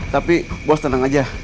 tapi bos tenang aja